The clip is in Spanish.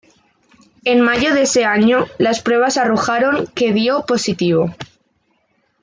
En mayo de ese año, las pruebas arrojaron que dio positivo.